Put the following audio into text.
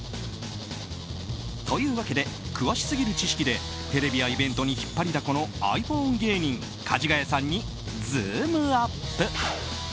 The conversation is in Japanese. というわけで、詳しすぎる知識でテレビやイベントに引っ張りだこのｉＰｈｏｎｅ芸人かじがやさんにズームＵＰ！